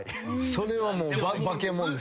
それはもう化けもんです。